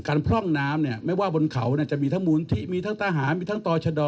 การพร่องน้ำเนี่ยไม่ว่าบนเขาเนี่ยจะมีทั้งหมุนทิมีทั้งตาหามีทั้งต่อชะดอ